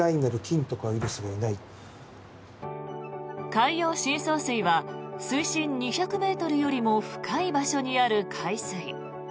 海洋深層水は水深２００ｍよりも深い場所にある海水。